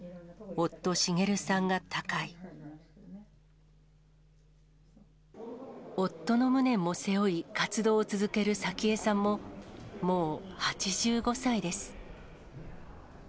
夫の無念も背負い、活動を続ける早紀江さんも、もう８５歳です。